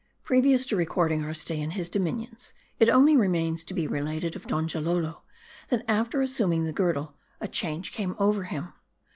PREVIOUS to recording our stay in his dominions, it only remains to be related of Donjalolo, that after assuming the girdle, a change came over him.